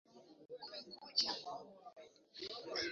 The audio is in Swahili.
idadi kubwa ya wanyama walioambukizwa hufa Kifo kinaweza kutokea ghafla